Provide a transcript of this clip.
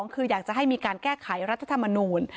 คืออยากจะให้มีการแก้ไขรัฐธรรมนูล